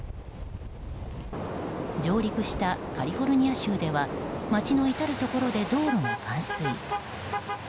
上陸したカリフォルニア州では街の至るところで道路が冠水。